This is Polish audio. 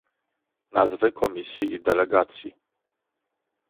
Nazwy komisji i delegacji